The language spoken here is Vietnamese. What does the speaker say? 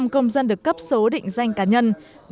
một trăm linh công dân được cấp số định danh cá nhân